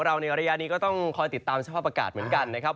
ในระยะนี้ก็ต้องคอยติดตามสภาพอากาศเหมือนกันนะครับ